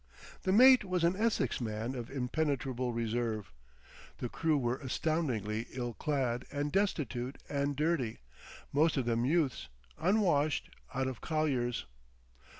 The mate was an Essex man of impenetrable reserve. The crew were astoundingly ill clad and destitute and dirty; most of them youths, unwashed, out of colliers.